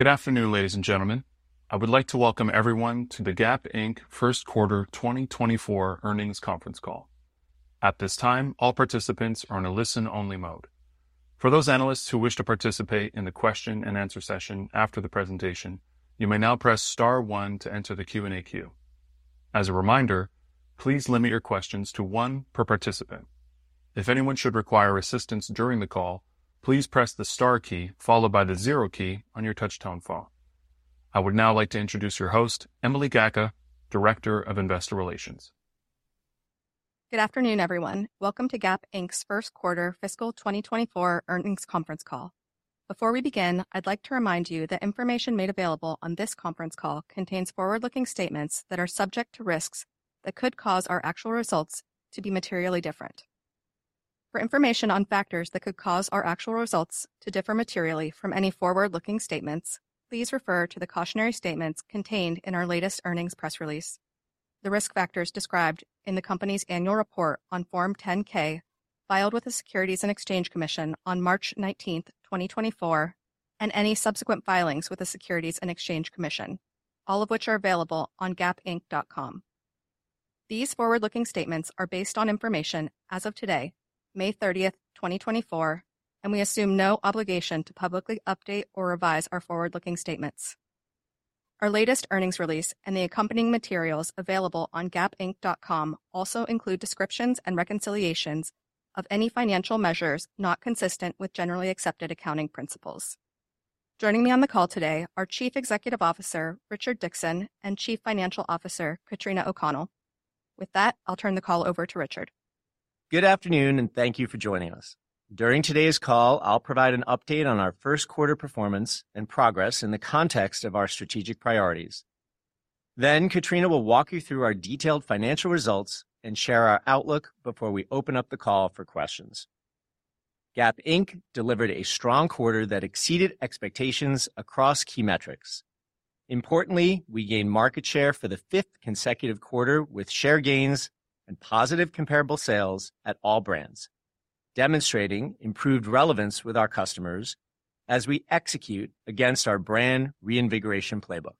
Good afternoon, ladies and gentlemen. I would like to welcome everyone to the Gap Inc. First Quarter 2024 Earnings Conference Call. At this time, all participants are in a listen-only mode. For those analysts who wish to participate in the question-and-answer session after the presentation, you may now press star one to enter the Q&A queue. As a reminder, please limit your questions to one per participant. If anyone should require assistance during the call, please press the star key followed by the zero key on your touch-tone phone. I would now like to introduce your host, Emily Gacka, Director of Investor Relations. Good afternoon, everyone. Welcome to Gap Inc.'s First Quarter Fiscal 2024 Earnings Conference Call. Before we begin, I'd like to remind you that information made available on this conference call contains forward-looking statements that are subject to risks that could cause our actual results to be materially different. For information on factors that could cause our actual results to differ materially from any forward-looking statements, please refer to the cautionary statements contained in our latest earnings press release, the risk factors described in the company's annual report on Form 10-K, filed with the Securities and Exchange Commission on March 19, 2024, and any subsequent filings with the Securities and Exchange Commission, all of which are available on gapinc.com. These forward-looking statements are based on information as of today, May 30, 2024, and we assume no obligation to publicly update or revise our forward-looking statements. Our latest earnings release and the accompanying materials available on gapinc.com also include descriptions and reconciliations of any financial measures not consistent with generally accepted accounting principles. Joining me on the call today are Chief Executive Officer Richard Dickson and Chief Financial Officer Katrina O'Connell. With that, I'll turn the call over to Richard. Good afternoon, and thank you for joining us. During today's call, I'll provide an update on our first quarter performance and progress in the context of our strategic priorities. Then Katrina will walk you through our detailed financial results and share our outlook before we open up the call for questions. Gap Inc. delivered a strong quarter that exceeded expectations across key metrics. Importantly, we gained market share for the fifth consecutive quarter, with share gains and positive comparable sales at all brands, demonstrating improved relevance with our customers as we execute against our brand reinvigoration playbook.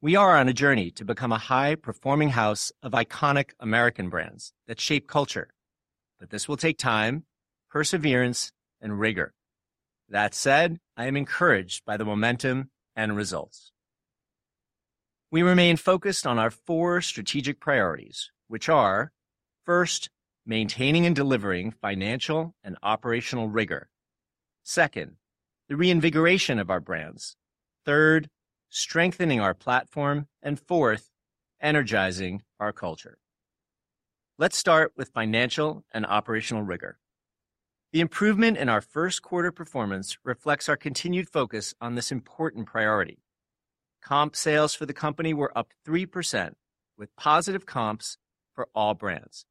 We are on a journey to become a high-performing house of iconic American brands that shape culture, but this will take time, perseverance, and rigor. That said, I am encouraged by the momentum and results. We remain focused on our four strategic priorities, which are first, maintaining and delivering financial and operational rigor, second, the reinvigoration of our brands, third, strengthening our platform, and fourth, energizing our culture. Let's start with financial and operational rigor. The improvement in our first quarter performance reflects our continued focus on this important priority. Comp sales for the company were up 3%, with positive comps for all brands.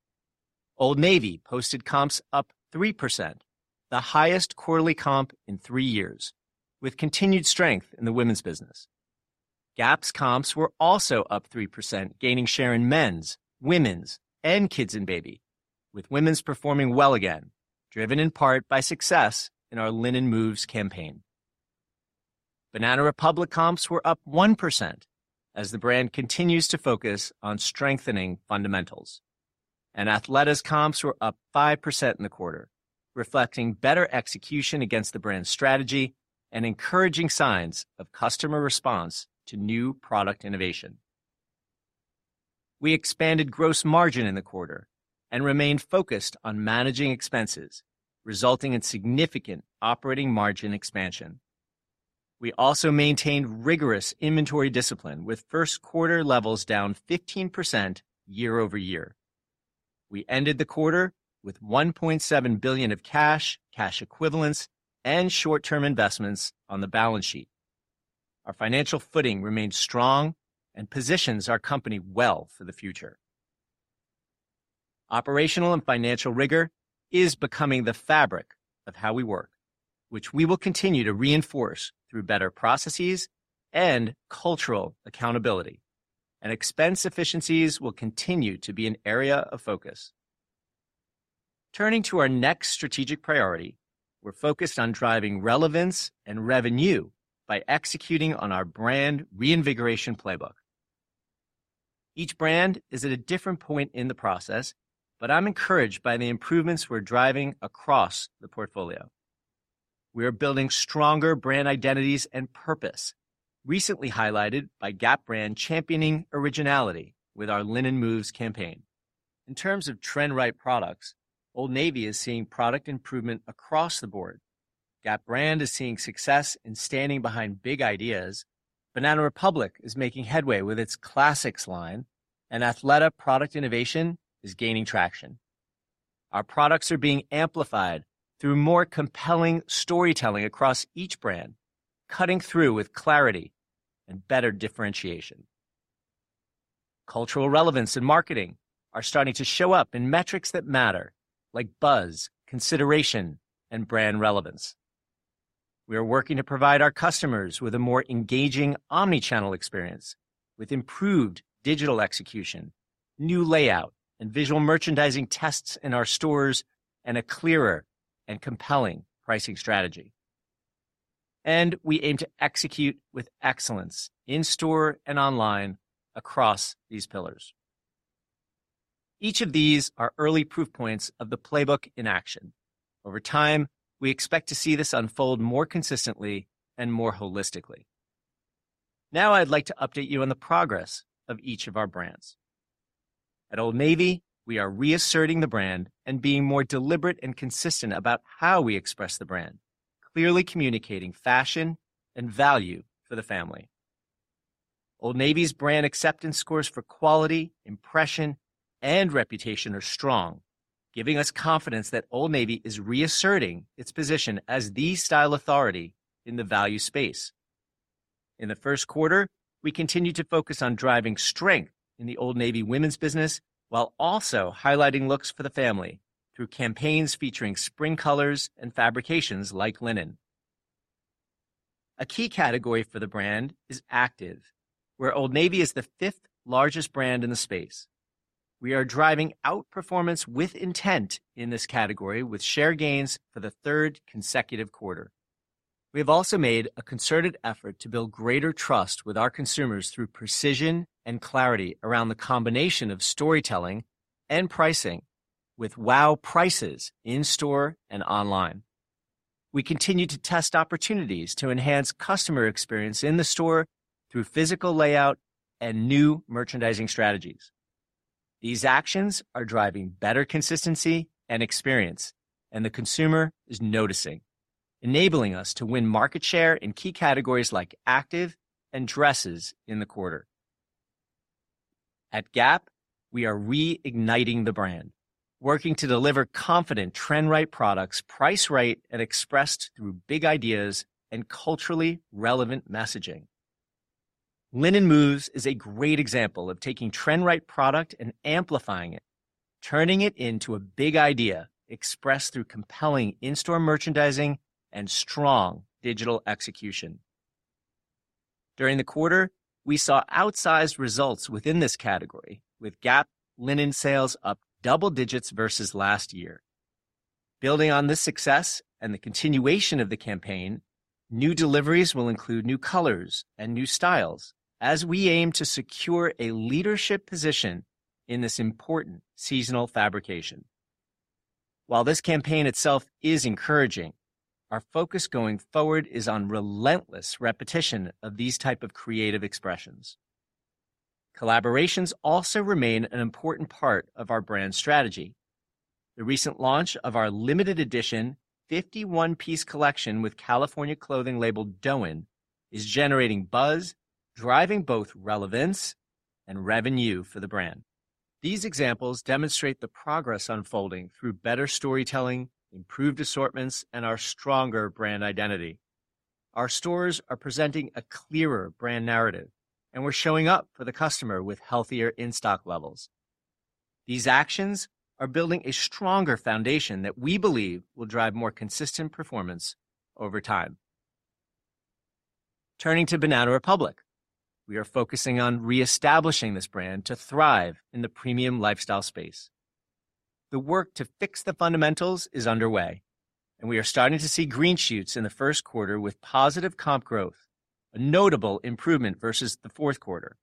Old Navy posted comps up 3%, the highest quarterly comp in three years, with continued strength in the women's business. Gap's comps were also up 3%, gaining share in men's, women's, and kids and baby, with women's performing well again, driven in part by success in our Linen Moves campaign. Banana Republic comps were up 1% as the brand continues to focus on strengthening fundamentals. Athleta's comps were up 5% in the quarter, reflecting better execution against the brand's strategy and encouraging signs of customer response to new product innovation. We expanded gross margin in the quarter and remained focused on managing expenses, resulting in significant operating margin expansion. We also maintained rigorous inventory discipline, with first quarter levels down 15% year-over-year. We ended the quarter with $1.7 billion of cash, cash equivalents, and short-term investments on the balance sheet. Our financial footing remains strong and positions our company well for the future. Operational and financial rigor is becoming the fabric of how we work, which we will continue to reinforce through better processes and cultural accountability, and expense efficiencies will continue to be an area of focus. Turning to our next strategic priority, we're focused on driving relevance and revenue by executing on our brand reinvigoration playbook. Each brand is at a different point in the process, but I'm encouraged by the improvements we're driving across the portfolio. We are building stronger brand identities and purpose, recently highlighted by Gap brand championing originality with our Linen Moves campaign. In terms of trend-right products, Old Navy is seeing product improvement across the board. Gap brand is seeing success in standing behind big ideas. Banana Republic is making headway with its Classics line, and Athleta product innovation is gaining traction. Our products are being amplified through more compelling storytelling across each brand, cutting through with clarity and better differentiation. Cultural relevance and marketing are starting to show up in metrics that matter, like buzz, consideration, and brand relevance. We are working to provide our customers with a more engaging omni-channel experience with improved digital execution.... New layout and visual merchandising tests in our stores, and a clearer and compelling pricing strategy. We aim to execute with excellence in store and online across these pillars. Each of these are early proof points of the playbook in action. Over time, we expect to see this unfold more consistently and more holistically. Now, I'd like to update you on the progress of each of our brands. At Old Navy, we are reasserting the brand and being more deliberate and consistent about how we express the brand, clearly communicating fashion and value for the family. Old Navy's brand acceptance scores for quality, impression, and reputation are strong, giving us confidence that Old Navy is reasserting its position as the style authority in the value space. In the first quarter, we continued to focus on driving strength in the Old Navy women's business, while also highlighting looks for the family through campaigns featuring spring colors and fabrications like linen. A key category for the brand is active, where Old Navy is the fifth largest brand in the space. We are driving outperformance with intent in this category, with share gains for the third consecutive quarter. We have also made a concerted effort to build greater trust with our consumers through precision and clarity around the combination of storytelling and pricing, with wow prices in store and online. We continue to test opportunities to enhance customer experience in the store through physical layout and new merchandising strategies. These actions are driving better consistency and experience, and the consumer is noticing, enabling us to win market share in key categories like active and dresses in the quarter. At Gap, we are reigniting the brand, working to deliver confident, trend-right products, priced right, and expressed through big ideas and culturally relevant messaging. Linen Moves is a great example of taking trend-right product and amplifying it, turning it into a big idea expressed through compelling in-store merchandising and strong digital execution. During the quarter, we saw outsized results within this category, with Gap linen sales up double digits versus last year. Building on this success and the continuation of the campaign, new deliveries will include new colors and new styles as we aim to secure a leadership position in this important seasonal fabrication. While this campaign itself is encouraging, our focus going forward is on relentless repetition of these type of creative expressions. Collaborations also remain an important part of our brand strategy. The recent launch of our limited edition 51-piece collection with California clothing label DÔEN is generating buzz, driving both relevance and revenue for the brand. These examples demonstrate the progress unfolding through better storytelling, improved assortments, and our stronger brand identity. Our stores are presenting a clearer brand narrative, and we're showing up for the customer with healthier in-stock levels. These actions are building a stronger foundation that we believe will drive more consistent performance over time. Turning to Banana Republic, we are focusing on reestablishing this brand to thrive in the premium lifestyle space. The work to fix the fundamentals is underway, and we are starting to see green shoots in the first quarter with positive comp growth, a notable improvement versus the fourth quarter.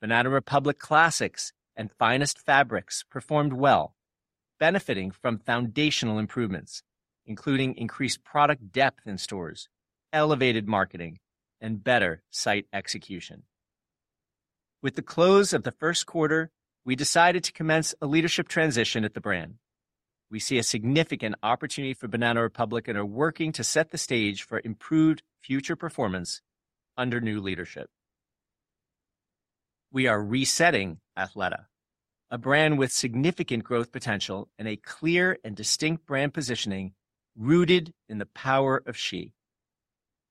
Banana Republic Classics and Finest Fabrics performed well, benefiting from foundational improvements, including increased product depth in stores, elevated marketing, and better site execution. With the close of the first quarter, we decided to commence a leadership transition at the brand. We see a significant opportunity for Banana Republic and are working to set the stage for improved future performance under new leadership. We are resetting Athleta, a brand with significant growth potential and a clear and distinct brand positioning rooted in the Power of She.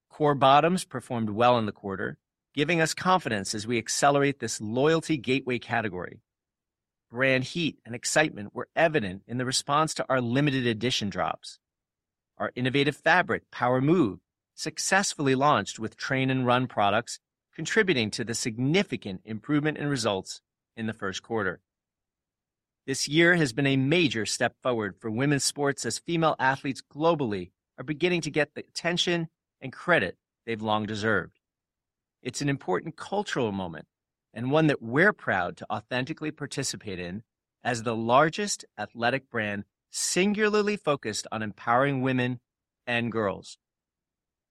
Core bottoms performed well in the quarter, giving us confidence as we accelerate this loyalty gateway category. Brand heat and excitement were evident in the response to our limited edition drops. Our innovative fabric, Power Move, successfully launched with train and run products, contributing to the significant improvement in results in the first quarter. This year has been a major step forward for women's sports, as female athletes globally are beginning to get the attention and credit they've long deserved. It's an important cultural moment and one that we're proud to authentically participate in as the largest athletic brand singularly focused on empowering women and girls.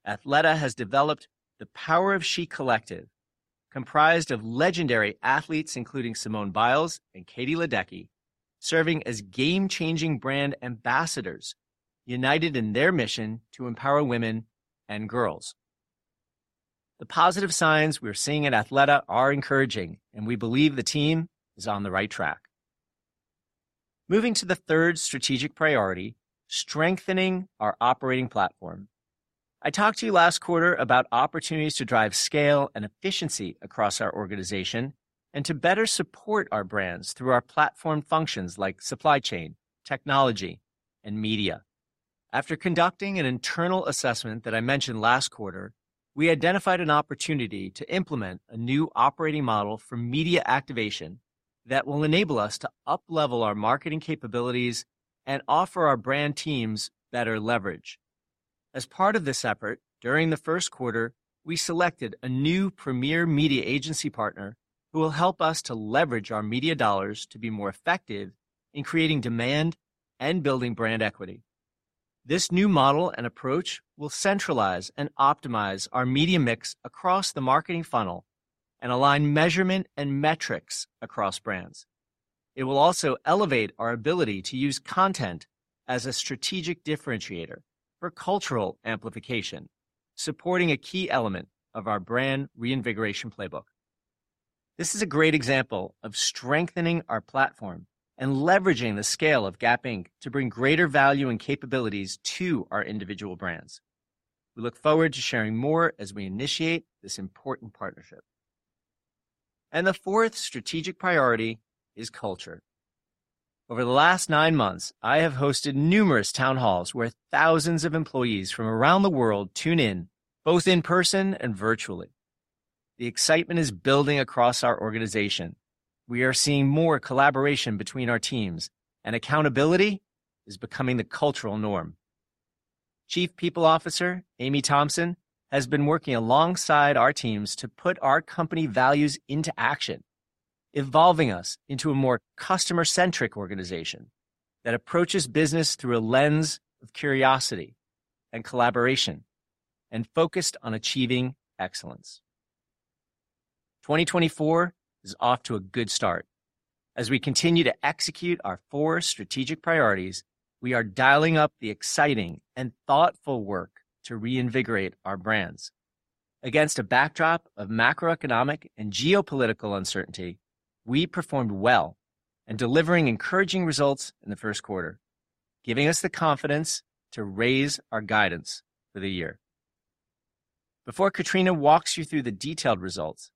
Athleta has developed the Power of She Collective, comprised of legendary athletes, including Simone Biles and Katie Ledecky, serving as game-changing brand ambassadors, united in their mission to empower women and girls. The positive signs we're seeing at Athleta are encouraging, and we believe the team is on the right track. Moving to the third strategic priority, strengthening our operating platform. I talked to you last quarter about opportunities to drive scale and efficiency across our organization and to better support our brands through our platform functions like supply chain, technology, and media.... After conducting an internal assessment that I mentioned last quarter, we identified an opportunity to implement a new operating model for media activation that will enable us to uplevel our marketing capabilities and offer our brand teams better leverage. As part of this effort, during the first quarter, we selected a new premier media agency partner who will help us to leverage our media dollars to be more effective in creating demand and building brand equity. This new model and approach will centralize and optimize our media mix across the marketing funnel and align measurement and metrics across brands. It will also elevate our ability to use content as a strategic differentiator for cultural amplification, supporting a key element of our brand reinvigoration playbook. This is a great example of strengthening our platform and leveraging the scale of Gap Inc. to bring greater value and capabilities to our individual brands. We look forward to sharing more as we initiate this important partnership. The fourth strategic priority is culture. Over the last nine months, I have hosted numerous town halls, where thousands of employees from around the world tune in, both in person and virtually. The excitement is building across our organization. We are seeing more collaboration between our teams, and accountability is becoming the cultural norm. Chief People Officer Amy Thompson has been working alongside our teams to put our company values into action, evolving us into a more customer-centric organization that approaches business through a lens of curiosity and collaboration, and focused on achieving excellence. 2024 is off to a good start. As we continue to execute our four strategic priorities, we are dialing up the exciting and thoughtful work to reinvigorate our brands. Against a backdrop of macroeconomic and geopolitical uncertainty, we performed well in delivering encouraging results in the first quarter, giving us the confidence to raise our guidance for the year. Before Katrina walks you through the detailed results,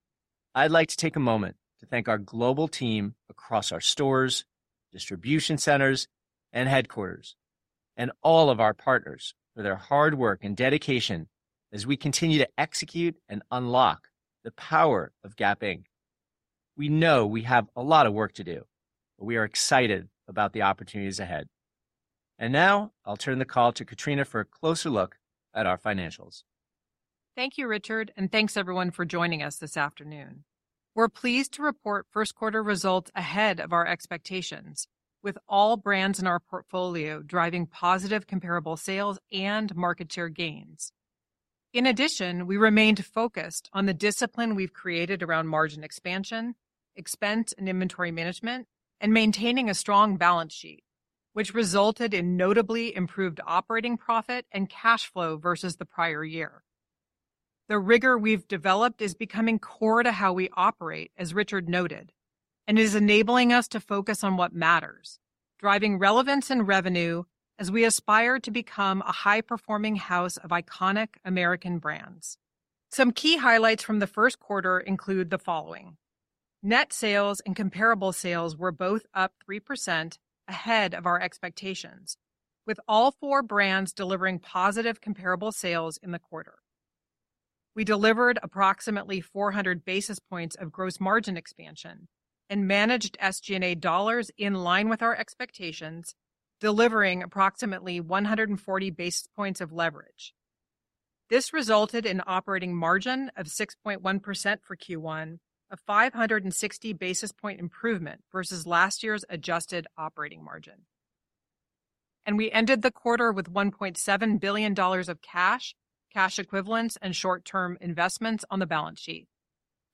I'd like to take a moment to thank our global team across our stores, distribution centers, and headquarters, and all of our partners for their hard work and dedication as we continue to execute and unlock the power of Gap Inc. We know we have a lot of work to do, but we are excited about the opportunities ahead. Now I'll turn the call to Katrina for a closer look at our financials. Thank you, Richard, and thanks, everyone, for joining us this afternoon. We're pleased to report first quarter results ahead of our expectations, with all brands in our portfolio driving positive comparable sales and market share gains. In addition, we remained focused on the discipline we've created around margin expansion, expense and inventory management, and maintaining a strong balance sheet, which resulted in notably improved operating profit and cash flow versus the prior year. The rigor we've developed is becoming core to how we operate, as Richard noted, and is enabling us to focus on what matters, driving relevance and revenue as we aspire to become a high-performing house of iconic American brands. Some key highlights from the first quarter include the following: Net sales and comparable sales were both up 3% ahead of our expectations, with all four brands delivering positive comparable sales in the quarter. We delivered approximately 400 basis points of gross margin expansion and managed SG&A dollars in line with our expectations, delivering approximately 140 basis points of leverage. This resulted in operating margin of 6.1% for Q1, a 560 basis point improvement versus last year's adjusted operating margin. We ended the quarter with $1.7 billion of cash, cash equivalents, and short-term investments on the balance sheet.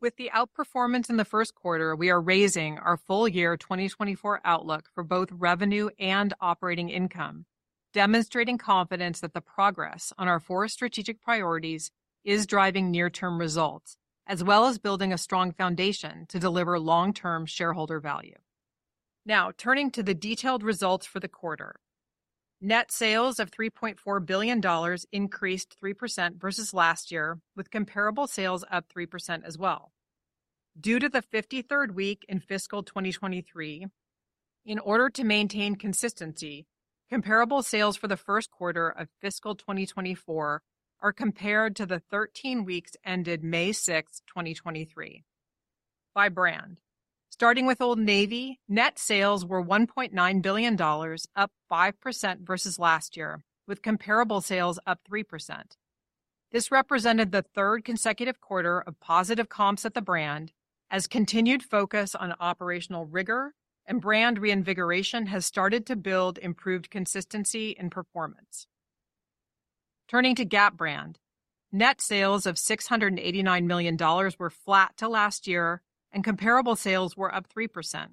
With the outperformance in the first quarter, we are raising our full-year 2024 outlook for both revenue and operating income, demonstrating confidence that the progress on our four strategic priorities is driving near-term results, as well as building a strong foundation to deliver long-term shareholder value. Now, turning to the detailed results for the quarter, net sales of $3.4 billion increased 3% versus last year, with comparable sales up 3% as well. Due to the 53rd week in fiscal 2023, in order to maintain consistency, comparable sales for the first quarter of fiscal 2024 are compared to the 13 weeks ended May 6, 2023. By brand, starting with Old Navy, net sales were $1.9 billion, up 5% versus last year, with comparable sales up 3%. This represented the 3rd consecutive quarter of positive comps at the brand, as continued focus on operational rigor and brand reinvigoration has started to build improved consistency and performance. Turning to Gap brand, net sales of $689 million were flat to last year, and comparable sales were up 3%.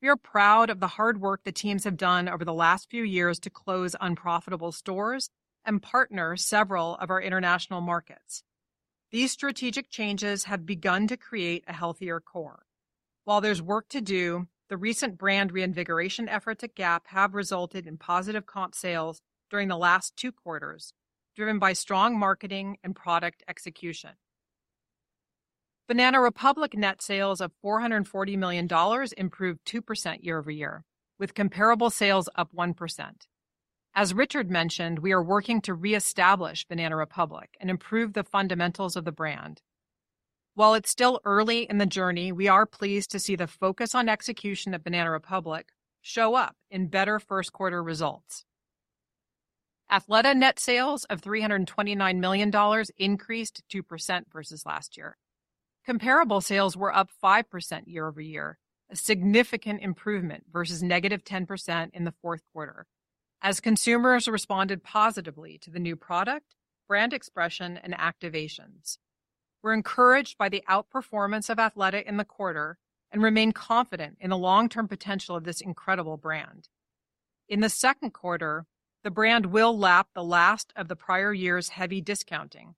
We are proud of the hard work the teams have done over the last few years to close unprofitable stores and partner several of our international markets. These strategic changes have begun to create a healthier core. While there's work to do, the recent brand reinvigoration efforts at Gap have resulted in positive comp sales during the last 2 quarters, driven by strong marketing and product execution. Banana Republic net sales of $440 million improved 2% year-over-year, with comparable sales up 1%. As Richard mentioned, we are working to reestablish Banana Republic and improve the fundamentals of the brand. While it's still early in the journey, we are pleased to see the focus on execution of Banana Republic show up in better first quarter results. Athleta net sales of $329 million increased 2% versus last year. Comparable sales were up 5% year-over-year, a significant improvement versus -10% in the fourth quarter, as consumers responded positively to the new product, brand expression, and activations. We're encouraged by the outperformance of Athleta in the quarter and remain confident in the long-term potential of this incredible brand. In the second quarter, the brand will lap the last of the prior year's heavy discounting,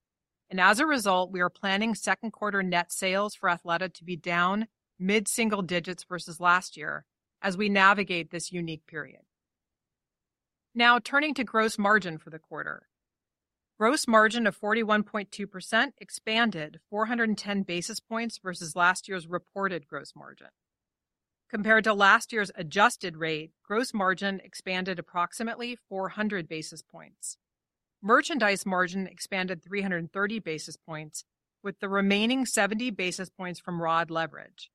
and as a result, we are planning second quarter net sales for Athleta to be down mid-single digits versus last year as we navigate this unique period. Now, turning to gross margin for the quarter. Gross margin of 41.2% expanded 410 basis points versus last year's reported gross margin. Compared to last year's adjusted rate, gross margin expanded approximately 400 basis points. Merchandise margin expanded 330 basis points, with the remaining 70 basis points from ROD leverage.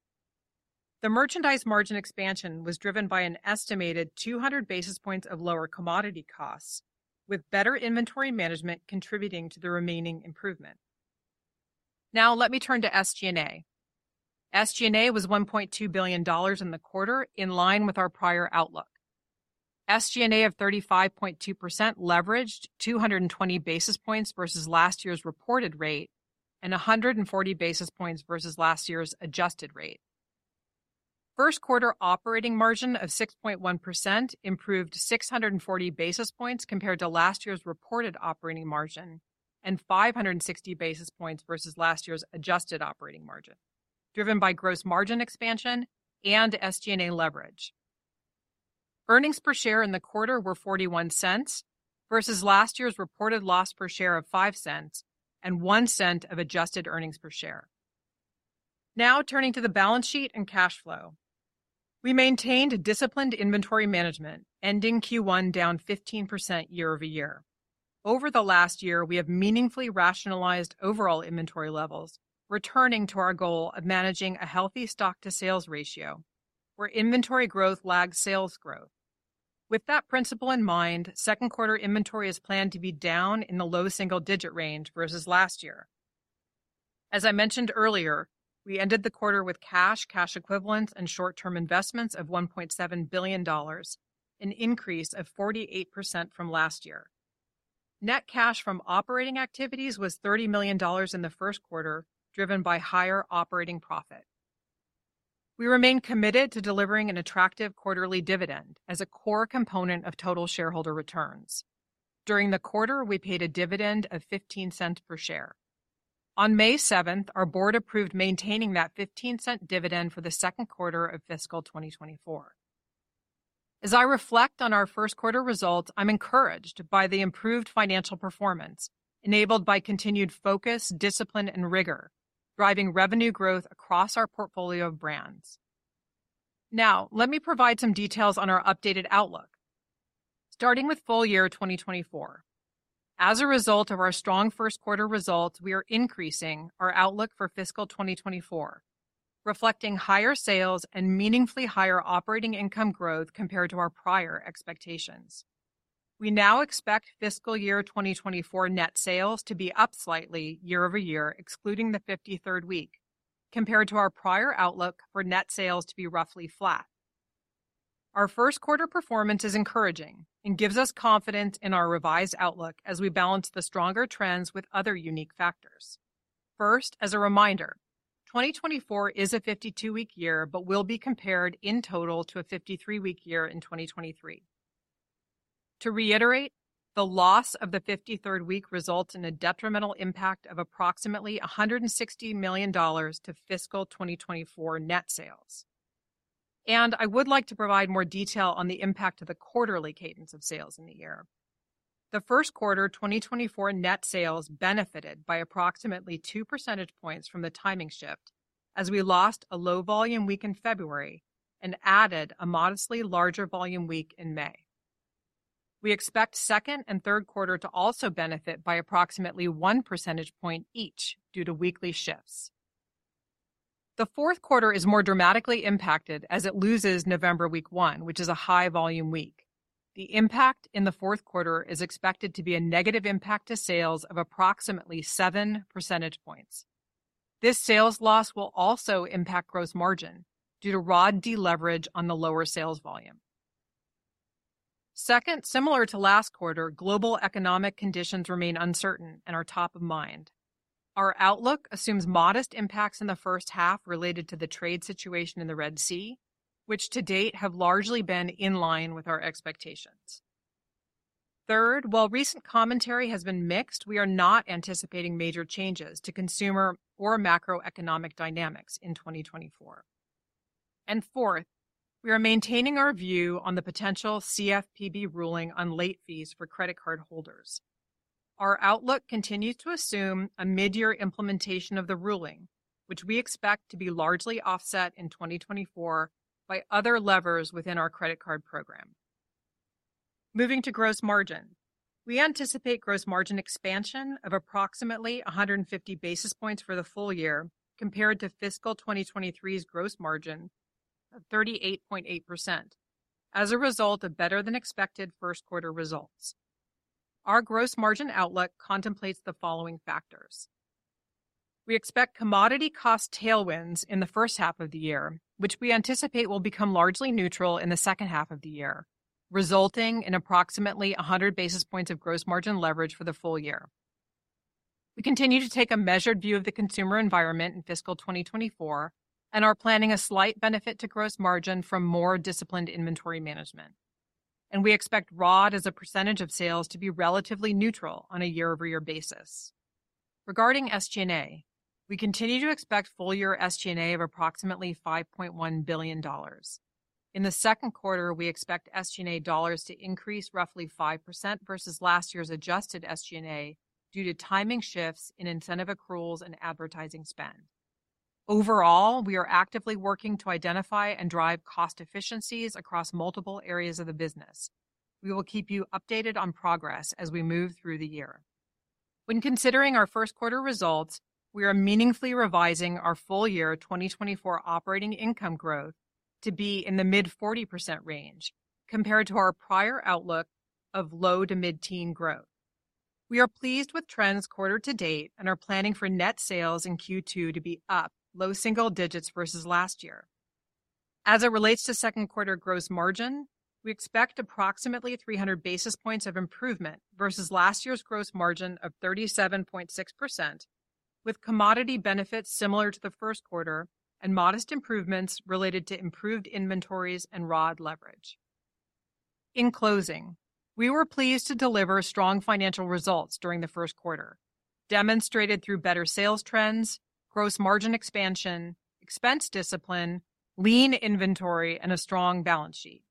The merchandise margin expansion was driven by an estimated 200 basis points of lower commodity costs, with better inventory management contributing to the remaining improvement. Now, let me turn to SG&A. SG&A was $1.2 billion in the quarter, in line with our prior outlook. SG&A of 35.2% leveraged 220 basis points versus last year's reported rate and 140 basis points versus last year's adjusted rate. First quarter operating margin of 6.1% improved 640 basis points compared to last year's reported operating margin and 560 basis points versus last year's adjusted operating margin, driven by gross margin expansion and SG&A leverage. Earnings per share in the quarter were $0.41 versus last year's reported loss per share of $0.05 and $0.01 of adjusted earnings per share. Now turning to the balance sheet and cash flow. We maintained disciplined inventory management, ending Q1 down 15% year-over-year. Over the last year, we have meaningfully rationalized overall inventory levels, returning to our goal of managing a healthy stock-to-sales ratio where inventory growth lags sales growth. With that principle in mind, second quarter inventory is planned to be down in the low single-digit range versus last year. As I mentioned earlier, we ended the quarter with cash, cash equivalents, and short-term investments of $1.7 billion, an increase of 48% from last year. Net cash from operating activities was $30 million in the first quarter, driven by higher operating profit. We remain committed to delivering an attractive quarterly dividend as a core component of total shareholder returns. During the quarter, we paid a dividend of $0.15 per share. On May 7, our board approved maintaining that $0.15 dividend for the second quarter of fiscal 2024. As I reflect on our first quarter results, I'm encouraged by the improved financial performance, enabled by continued focus, discipline, and rigor, driving revenue growth across our portfolio of brands. Now, let me provide some details on our updated outlook. Starting with full year 2024. As a result of our strong first quarter results, we are increasing our outlook for fiscal 2024, reflecting higher sales and meaningfully higher operating income growth compared to our prior expectations. We now expect fiscal year 2024 net sales to be up slightly year-over-year, excluding the 53rd week, compared to our prior outlook for net sales to be roughly flat. Our first quarter performance is encouraging and gives us confidence in our revised outlook as we balance the stronger trends with other unique factors. First, as a reminder, 2024 is a 52-week year, but will be compared in total to a 53-week year in 2023. To reiterate, the loss of the 53rd week results in a detrimental impact of approximately $160 million to fiscal 2024 net sales. I would like to provide more detail on the impact of the quarterly cadence of sales in the year. The first quarter 2024 net sales benefited by approximately 2 percentage points from the timing shift as we lost a low-volume week in February and added a modestly larger volume week in May. We expect second and third quarter to also benefit by approximately 1 percentage point each due to weekly shifts. The fourth quarter is more dramatically impacted as it loses November week 1, which is a high-volume week. The impact in the fourth quarter is expected to be a negative impact to sales of approximately 7 percentage points. This sales loss will also impact gross margin due to ROD deleverage on the lower sales volume. Second, similar to last quarter, global economic conditions remain uncertain and are top of mind. Our outlook assumes modest impacts in the first half related to the trade situation in the Red Sea, which to date have largely been in line with our expectations. Third, while recent commentary has been mixed, we are not anticipating major changes to consumer or macroeconomic dynamics in 2024.... And fourth, we are maintaining our view on the potential CFPB ruling on late fees for credit card holders. Our outlook continues to assume a mid-year implementation of the ruling, which we expect to be largely offset in 2024 by other levers within our credit card program. Moving to gross margin. We anticipate gross margin expansion of approximately 150 basis points for the full year, compared to fiscal 2023's gross margin of 38.8%, as a result of better-than-expected first quarter results. Our gross margin outlook contemplates the following factors: We expect commodity cost tailwinds in the first half of the year, which we anticipate will become largely neutral in the second half of the year, resulting in approximately 100 basis points of gross margin leverage for the full year. We continue to take a measured view of the consumer environment in fiscal 2024 and are planning a slight benefit to gross margin from more disciplined inventory management. We expect ROD as a percentage of sales to be relatively neutral on a year-over-year basis. Regarding SG&A, we continue to expect full-year SG&A of approximately $5.1 billion. In the second quarter, we expect SG&A dollars to increase roughly 5% versus last year's adjusted SG&A, due to timing shifts in incentive accruals and advertising spend. Overall, we are actively working to identify and drive cost efficiencies across multiple areas of the business. We will keep you updated on progress as we move through the year. When considering our first quarter results, we are meaningfully revising our full-year 2024 operating income growth to be in the mid-40% range, compared to our prior outlook of low- to mid-teens growth. We are pleased with trends quarter-to-date and are planning for net sales in Q2 to be up low-single digits versus last year. As it relates to second quarter gross margin, we expect approximately 300 basis points of improvement versus last year's gross margin of 37.6%, with commodity benefits similar to the first quarter and modest improvements related to improved inventories and ROD leverage. In closing, we were pleased to deliver strong financial results during the first quarter, demonstrated through better sales trends, gross margin expansion, expense discipline, lean inventory, and a strong balance sheet.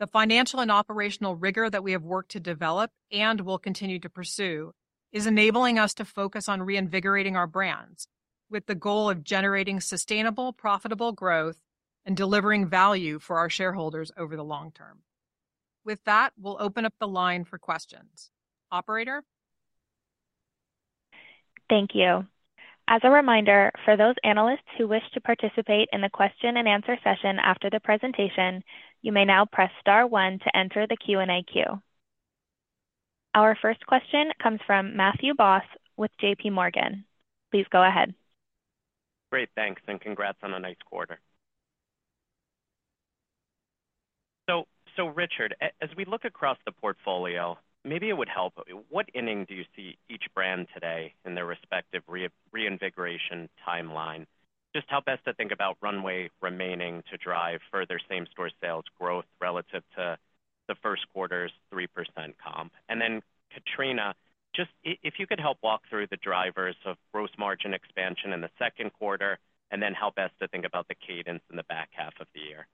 The financial and operational rigor that we have worked to develop and will continue to pursue is enabling us to focus on reinvigorating our brands, with the goal of generating sustainable, profitable growth and delivering value for our shareholders over the long term. With that, we'll open up the line for questions. Operator? Thank you. As a reminder, for those analysts who wish to participate in the question and answer session after the presentation, you may now press star one to enter the Q&A queue. Our first question comes from Matthew Boss with J.P. Morgan. Please go ahead. Great, thanks, and congrats on a nice quarter. So, Richard, as we look across the portfolio, maybe it would help, what inning do you see each brand today in their respective reinvigoration timeline? Just how best to think about runway remaining to drive further same-store sales growth relative to the first quarter's 3% comp? And then, Katrina, just if you could help walk through the drivers of gross margin expansion in the second quarter, and then how best to think about the cadence in the back half of the year.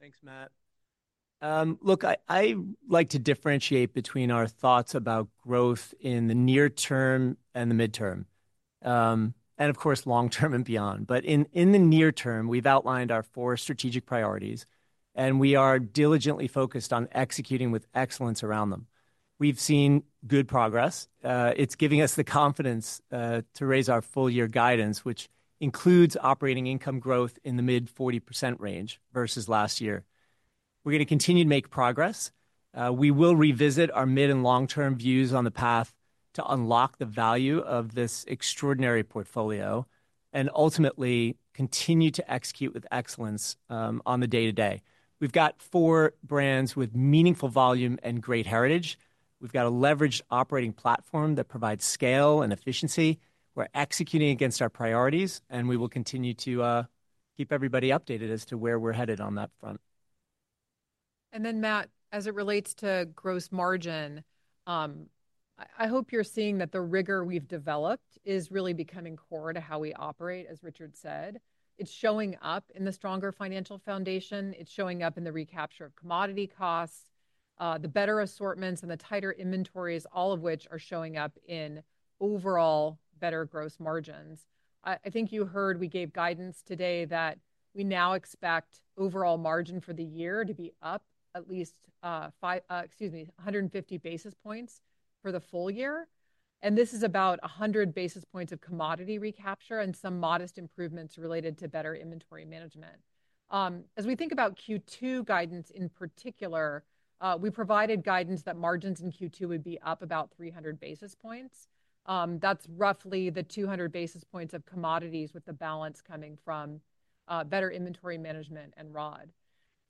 Thanks, Matt. Look, I like to differentiate between our thoughts about growth in the near term and the midterm, and of course, long term and beyond. But in the near term, we've outlined our four strategic priorities, and we are diligently focused on executing with excellence around them. We've seen good progress. It's giving us the confidence to raise our full year guidance, which includes operating income growth in the mid-40% range versus last year. We're going to continue to make progress. We will revisit our mid and long-term views on the path to unlock the value of this extraordinary portfolio and ultimately continue to execute with excellence on the day-to-day. We've got four brands with meaningful volume and great heritage. We've got a leveraged operating platform that provides scale and efficiency. We're executing against our priorities, and we will continue to keep everybody updated as to where we're headed on that front. Matt, as it relates to gross margin, I hope you're seeing that the rigor we've developed is really becoming core to how we operate, as Richard said. It's showing up in the stronger financial foundation, it's showing up in the recapture of commodity costs, the better assortments and the tighter inventories, all of which are showing up in overall better gross margins. I think you heard we gave guidance today that we now expect overall margin for the year to be up at least 150 basis points for the full year, and this is about 100 basis points of commodity recapture and some modest improvements related to better inventory management. As we think about Q2 guidance in particular, we provided guidance that margins in Q2 would be up about 300 basis points. That's roughly the 200 basis points of commodities, with the balance coming from better inventory management and ROD.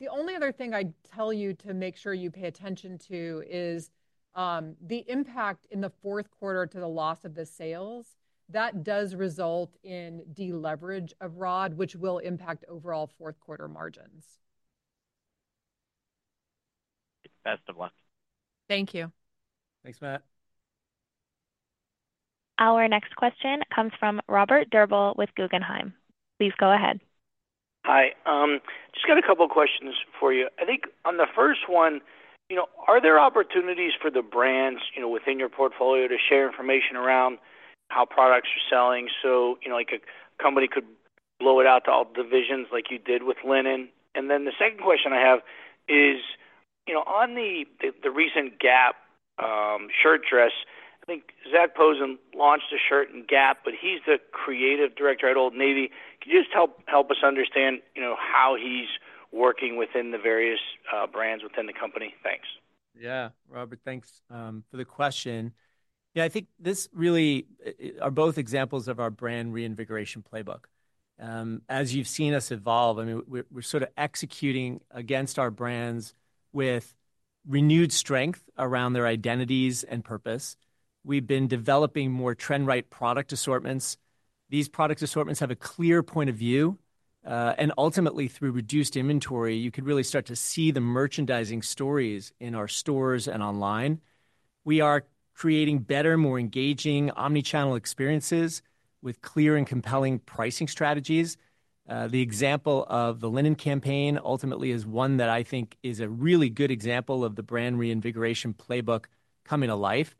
The only other thing I'd tell you to make sure you pay attention to is the impact in the fourth quarter to the loss of the sales. That does result in deleverage of ROD, which will impact overall fourth quarter margins.... Best of luck. Thank you. Thanks, Matt. Our next question comes from Robert Drbul with Guggenheim. Please go ahead. Hi. Just got a couple questions for you. I think on the first one, you know, are there opportunities for the brands, you know, within your portfolio to share information around how products are selling? So, you know, like, a company could blow it out to all divisions like you did with Linen. And then the second question I have is, you know, on the recent Gap shirt dress, I think Zac Posen launched a shirt in Gap, but he's the creative director at Old Navy. Can you just help us understand, you know, how he's working within the various brands within the company? Thanks. Yeah. Robert, thanks for the question. Yeah, I think this really are both examples of our brand reinvigoration playbook. As you've seen us evolve, I mean, we're sort of executing against our brands with renewed strength around their identities and purpose. We've been developing more trend-right product assortments. These product assortments have a clear point of view, and ultimately, through reduced inventory, you could really start to see the merchandising stories in our stores and online. We are creating better, more engaging omni-channel experiences with clear and compelling pricing strategies. The example of the Linen campaign ultimately is one that I think is a really good example of the brand reinvigoration playbook coming to life,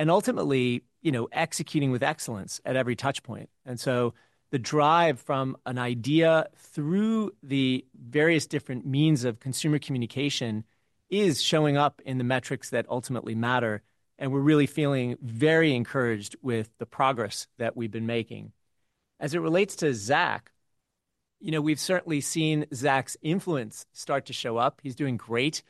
and ultimately, you know, executing with excellence at every touch point. And so the drive from an idea through the various different means of consumer communication is showing up in the metrics that ultimately matter, and we're really feeling very encouraged with the progress that we've been making. As it relates to Zac, you know, we've certainly seen Zac's influence start to show up. He's doing great.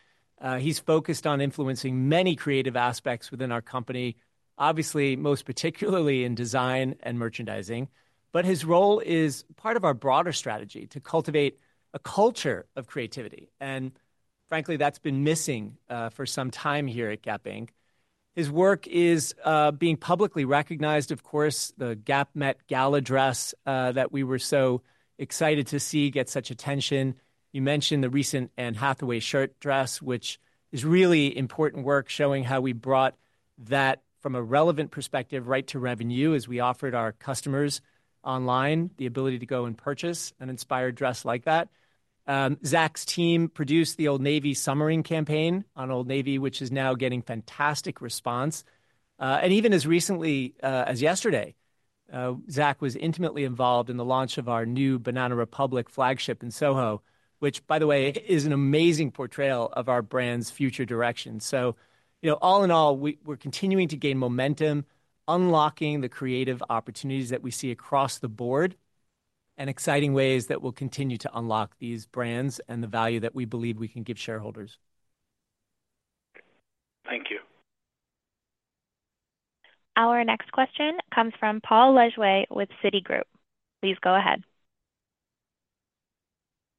He's focused on influencing many creative aspects within our company, obviously, most particularly in design and merchandising. But his role is part of our broader strategy to cultivate a culture of creativity, and frankly, that's been missing for some time here at Gap Inc. His work is being publicly recognized. Of course, the Gap Met Gala dress that we were so excited to see get such attention. You mentioned the recent Anne Hathaway shirt dress, which is really important work, showing how we brought that from a relevant perspective right to revenue, as we offered our customers online the ability to go and purchase an inspired dress like that. Zac's team produced the Old Navy Summering campaign on Old Navy, which is now getting fantastic response. Zac was intimately involved in the launch of our new Banana Republic flagship in Soho, which, by the way, is an amazing portrayal of our brand's future direction. So, you know, all in all, we're continuing to gain momentum, unlocking the creative opportunities that we see across the board, and exciting ways that will continue to unlock these brands and the value that we believe we can give shareholders. Thank you. Our next question comes from Paul Lejuez with Citigroup. Please go ahead.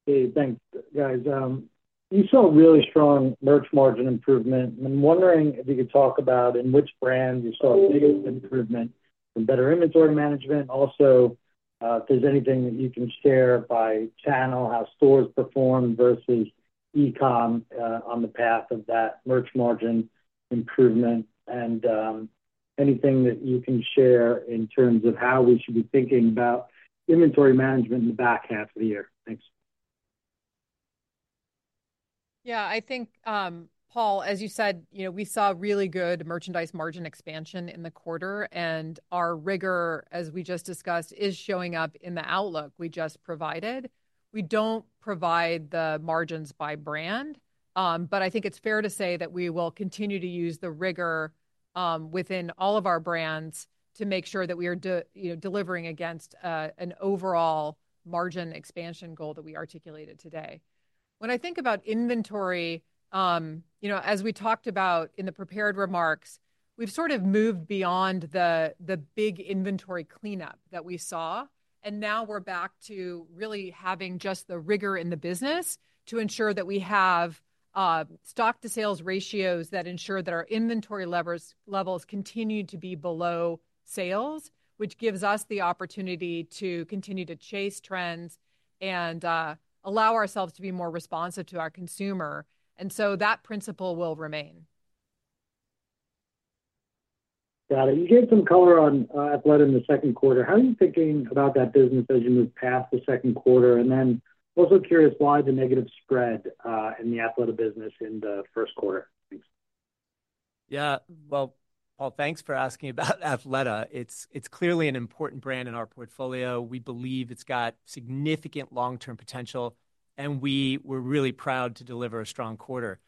Hey, thanks, guys. You saw a really strong merch margin improvement, and I'm wondering if you could talk about in which brands you saw the biggest improvement from better inventory management. Also, if there's anything that you can share by channel, how stores performed versus e-com, on the path of that merch margin improvement, and, anything that you can share in terms of how we should be thinking about inventory management in the back half of the year. Thanks. Yeah, I think, Paul, as you said, you know, we saw really good merchandise margin expansion in the quarter, and our rigor, as we just discussed, is showing up in the outlook we just provided. We don't provide the margins by brand, but I think it's fair to say that we will continue to use the rigor, within all of our brands to make sure that we are you know, delivering against, an overall margin expansion goal that we articulated today. When I think about inventory, you know, as we talked about in the prepared remarks, we've sort of moved beyond the big inventory cleanup that we saw, and now we're back to really having just the rigor in the business to ensure that we have stock-to-sales ratios that ensure that our inventory levels continue to be below sales, which gives us the opportunity to continue to chase trends and allow ourselves to be more responsive to our consumer. And so that principle will remain. Got it. You gave some color on Athleta in the second quarter. How are you thinking about that business as you move past the second quarter? And then also curious why the negative spread in the Athleta business in the first quarter. Thanks. Yeah. Well, Paul, thanks for asking about Athleta. It's clearly an important brand in our portfolio. We believe it's got significant long-term potential, and we were really proud to deliver a strong quarter.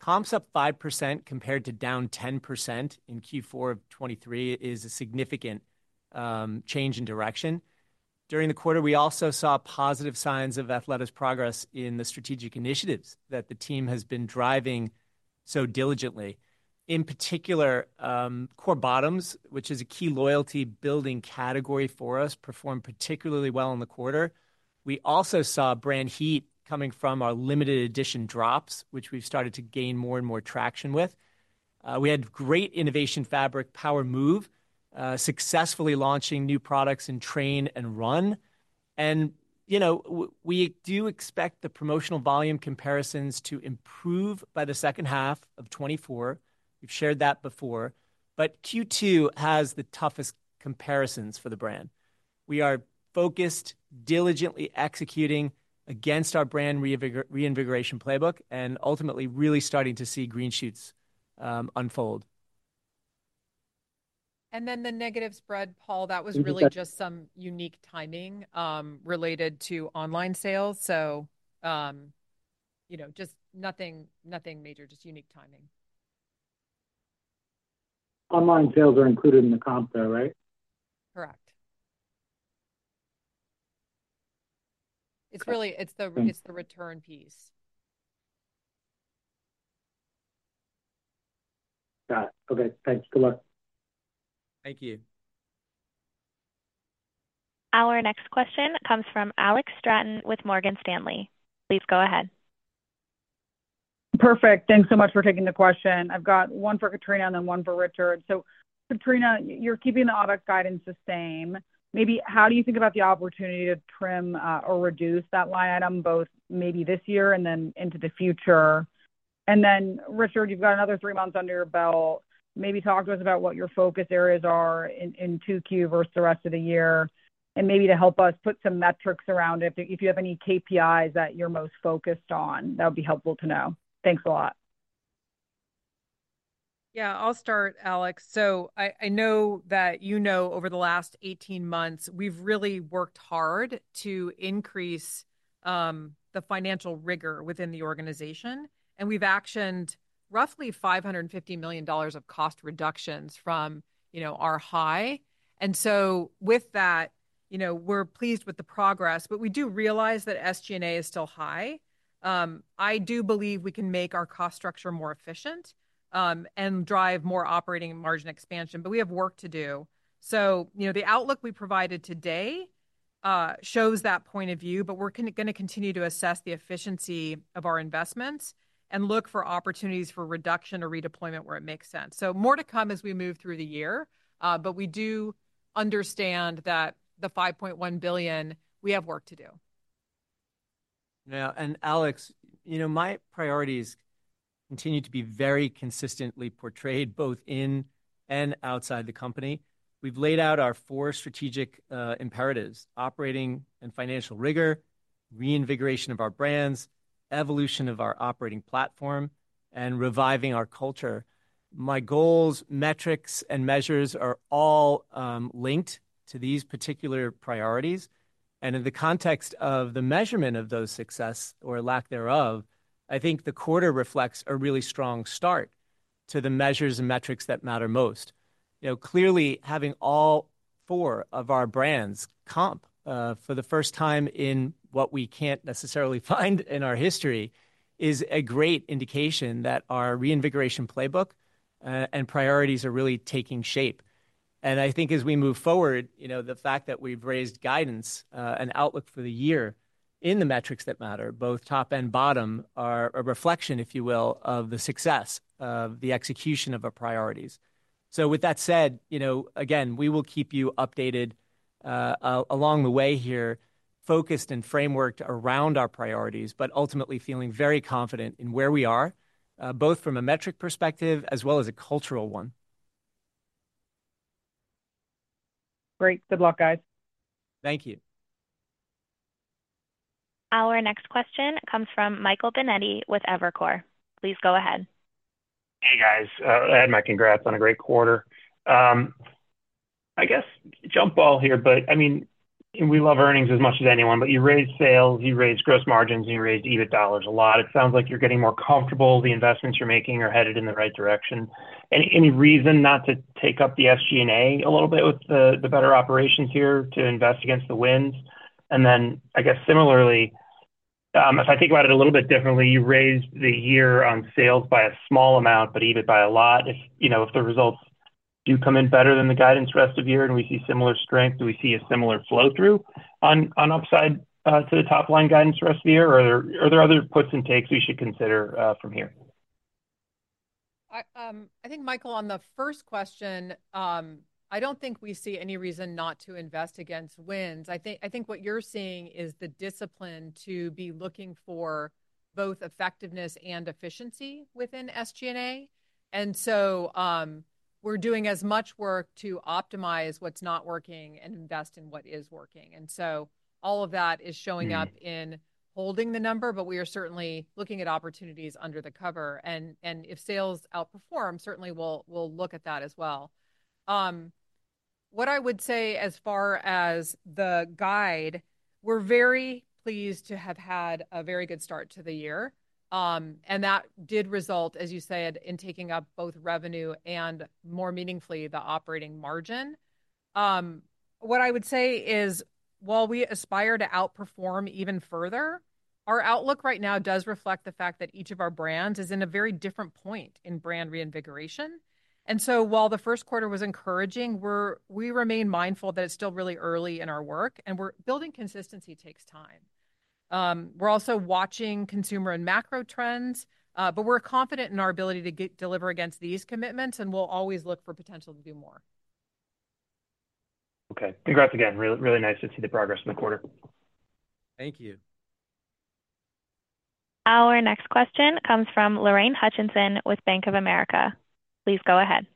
Comps up 5% compared to down 10% in Q4 of 2023 is a significant change in direction. During the quarter, we also saw positive signs of Athleta's progress in the strategic initiatives that the team has been driving so diligently. In particular, core bottoms, which is a key loyalty-building category for us, performed particularly well in the quarter. We also saw brand heat coming from our limited edition drops, which we've started to gain more and more traction with. We had great innovation fabric, Power Move, successfully launching new products in train and run. You know, we do expect the promotional volume comparisons to improve by the second half of 2024. We've shared that before, but Q2 has the toughest comparisons for the brand. We are focused, diligently executing against our brand reinvigoration playbook, and ultimately really starting to see green shoots unfold. And then the negative spread, Paul, that was really just some unique timing related to online sales. So, you know, just nothing, nothing major, just unique timing. Online sales are included in the comp, though, right? Correct. It's really- Thanks. It's the return piece. Got it. Okay, thanks. Good luck. Thank you. Our next question comes from Alex Straton with Morgan Stanley. Please go ahead. Perfect. Thanks so much for taking the question. I've got one for Katrina and then one for Richard. So, Katrina, you're keeping the audit guidance the same. Maybe how do you think about the opportunity to trim or reduce that line item, both maybe this year and then into the future? And then, Richard, you've got another three months under your belt. Maybe talk to us about what your focus areas are in Q2 versus the rest of the year, and maybe to help us put some metrics around it. If you have any KPIs that you're most focused on, that would be helpful to know. Thanks a lot. Yeah, I'll start, Alex. So I know that you know over the last 18 months, we've really worked hard to increase the financial rigor within the organization, and we've actioned roughly $550 million of cost reductions from, you know, our high. And so with that, you know, we're pleased with the progress, but we do realize that SG&A is still high. I do believe we can make our cost structure more efficient and drive more operating margin expansion, but we have work to do. So, you know, the outlook we provided today shows that point of view, but we're gonna continue to assess the efficiency of our investments and look for opportunities for reduction or redeployment where it makes sense. More to come as we move through the year, but we do understand that the $5.1 billion, we have work to do. Yeah, and Alex, you know, my priorities continue to be very consistently portrayed both in and outside the company. We've laid out our four strategic imperatives: operating and financial rigor, reinvigoration of our brands, evolution of our operating platform, and reviving our culture. My goals, metrics, and measures are all linked to these particular priorities, and in the context of the measurement of those success or lack thereof, I think the quarter reflects a really strong start to the measures and metrics that matter most. You know, clearly, having all four of our brands comp for the first time in what we can't necessarily find in our history, is a great indication that our reinvigoration playbook and priorities are really taking shape. I think as we move forward, you know, the fact that we've raised guidance and outlook for the year in the metrics that matter, both top and bottom, are a reflection, if you will, of the success of the execution of our priorities. With that said, you know, again, we will keep you updated along the way here, focused and frameworked around our priorities, but ultimately feeling very confident in where we are, both from a metric perspective as well as a cultural one. Great. Good luck, guys. Thank you. Our next question comes from Michael Binetti with Evercore. Please go ahead. Hey, guys. I add my congrats on a great quarter. I guess jump ball here, but I mean, we love earnings as much as anyone, but you raised sales, you raised gross margins, and you raised EBIT dollars a lot. It sounds like you're getting more comfortable, the investments you're making are headed in the right direction. Any, any reason not to take up the SG&A a little bit with the, the better operations here to invest against the winds? And then, I guess similarly, if I think about it a little bit differently, you raised the year on sales by a small amount, but EBIT by a lot. If, you know, if the results do come in better than the guidance rest of the year and we see similar strength, do we see a similar flow-through on upside to the top-line guidance the rest of the year, or are there other puts and takes we should consider from here? I think, Michael, on the first question, I don't think we see any reason not to invest against winds. I think, I think what you're seeing is the discipline to be looking for both effectiveness and efficiency within SG&A. And so, we're doing as much work to optimize what's not working and invest in what is working. And so all of that is showing up. Mm-hmm... in holding the number, but we are certainly looking at opportunities under the cover. And if sales outperform, certainly we'll look at that as well. What I would say as far as the guide, we're very pleased to have had a very good start to the year. And that did result, as you said, in taking up both revenue and, more meaningfully, the operating margin. What I would say is, while we aspire to outperform even further, our outlook right now does reflect the fact that each of our brands is in a very different point in brand reinvigoration. While the first quarter was encouraging, we remain mindful that it's still really early in our work, and we're building consistency takes time. We're also watching consumer and macro trends, but we're confident in our ability to deliver against these commitments, and we'll always look for potential to do more. Okay. Congrats again. Really, really nice to see the progress in the quarter. Thank you. Our next question comes from Lorraine Hutchinson with Bank of America. Please go ahead.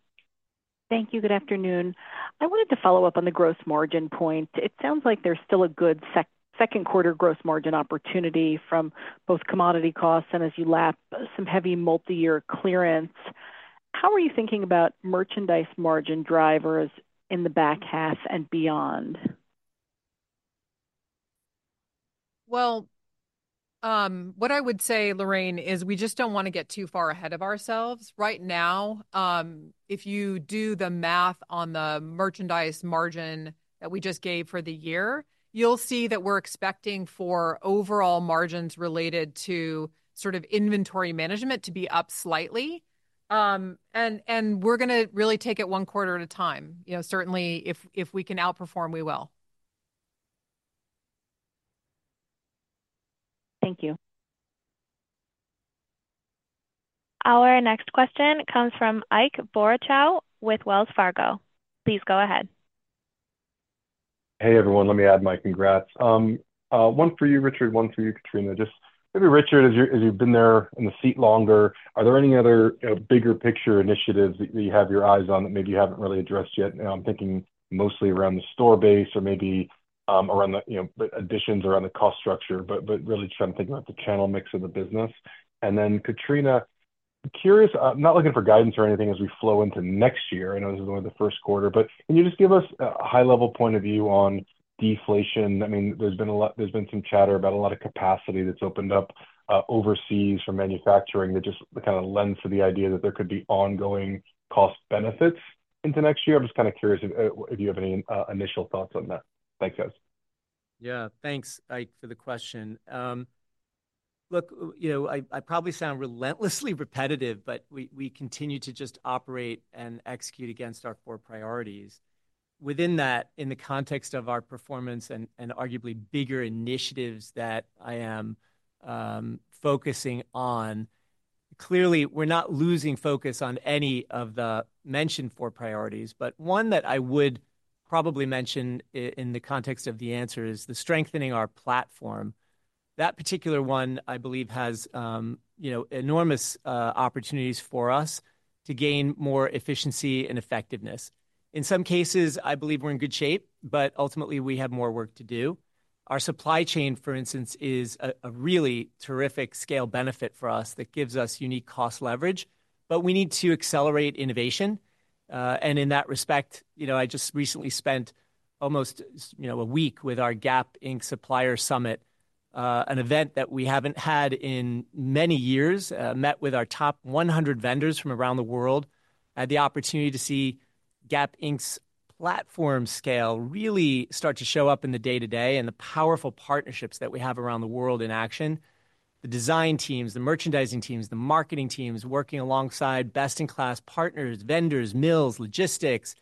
Thank you. Good afternoon. I wanted to follow up on the gross margin point. It sounds like there's still a good second quarter gross margin opportunity from both commodity costs and as you lap some heavy multi-year clearance. How are you thinking about merchandise margin drivers in the back half and beyond? Well, what I would say, Lorraine, is we just don't want to get too far ahead of ourselves. Right now, if you do the math on the merchandise margin that we just gave for the year, you'll see that we're expecting for overall margins related to sort of inventory management to be up slightly. And we're going to really take it one quarter at a time. You know, certainly, if we can outperform, we will. Thank you. Our next question comes from Ike Boruchow with Wells Fargo. Please go ahead. Hey, everyone. Let me add my congrats. One for you, Richard, one for you, Katrina. Just maybe, Richard, as you're, as you've been there in the seat longer, are there any other, bigger picture initiatives that you have your eyes on that maybe you haven't really addressed yet? And I'm thinking mostly around the store base or maybe, around the, you know, additions around the cost structure, but really just trying to think about the channel mix of the business. And then, Katrina, curious, not looking for guidance or anything as we flow into next year, I know this is only the first quarter, but can you just give us a high-level point of view on deflation? I mean, there's been a lot—there's been some chatter about a lot of capacity that's opened up, overseas for manufacturing. That just kind of lends to the idea that there could be ongoing cost benefits into next year. I'm just kind of curious if you have any initial thoughts on that. Thanks, guys. Yeah. Thanks, Ike, for the question. Look, you know, I probably sound relentlessly repetitive, but we continue to just operate and execute against our core priorities. Within that, in the context of our performance and arguably bigger initiatives that I am focusing on, clearly, we're not losing focus on any of the mentioned four priorities, but one that I would probably mention in the context of the answer is the strengthening our platform. That particular one, I believe, has you know, enormous opportunities for us to gain more efficiency and effectiveness. In some cases, I believe we're in good shape, but ultimately, we have more work to do. Our supply chain, for instance, is a really terrific scale benefit for us that gives us unique cost leverage, but we need to accelerate innovation. And in that respect, you know, I just recently spent almost, you know, a week with our Gap Inc. Supplier Summit, an event that we haven't had in many years. Met with our top 100 vendors from around the world. Had the opportunity to see Gap Inc.'s platform scale really start to show up in the day-to-day, and the powerful partnerships that we have around the world in action. The design teams, the merchandising teams, the marketing teams, working alongside best-in-class partners, vendors, mills, logistics,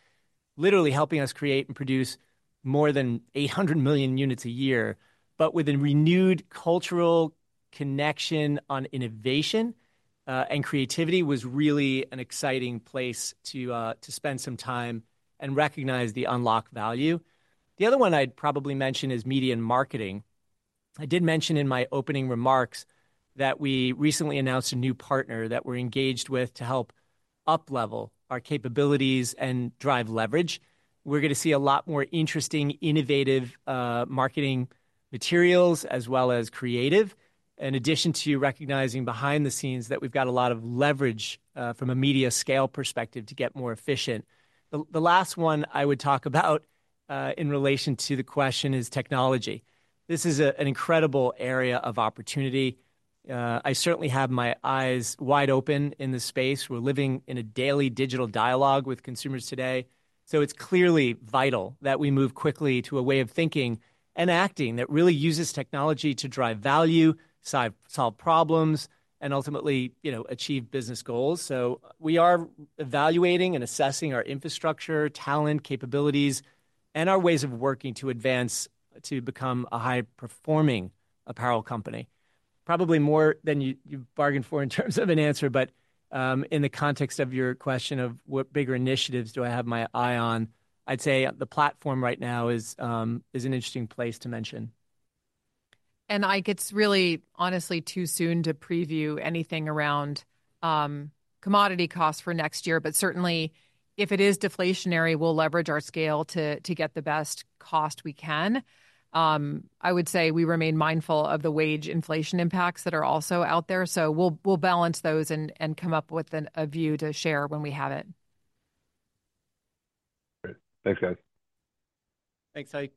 literally helping us create and produce more than 800 million units a year. But with a renewed cultural connection on innovation, and creativity was really an exciting place to, to spend some time and recognize the unlocked value. The other one I'd probably mention is media and marketing. I did mention in my opening remarks that we recently announced a new partner that we're engaged with to help uplevel our capabilities and drive leverage. We're going to see a lot more interesting, innovative, marketing materials, as well as creative, in addition to recognizing behind the scenes that we've got a lot of leverage from a media scale perspective to get more efficient. The last one I would talk about in relation to the question is technology. This is an incredible area of opportunity. I certainly have my eyes wide open in this space. We're living in a daily digital dialogue with consumers today, so it's clearly vital that we move quickly to a way of thinking and acting that really uses technology to drive value, solve problems, and ultimately, you know, achieve business goals. We are evaluating and assessing our infrastructure, talent, capabilities, and our ways of working to advance to become a high-performing apparel company. Probably more than you, you bargained for in terms of an answer, but in the context of your question of what bigger initiatives do I have my eye on? I'd say the platform right now is an interesting place to mention. Ike, it's really, honestly, too soon to preview anything around commodity costs for next year. But certainly, if it is deflationary, we'll leverage our scale to get the best cost we can. I would say we remain mindful of the wage inflation impacts that are also out there, so we'll balance those and come up with a view to share when we have it. Great. Thanks, guys. Thanks, Ike.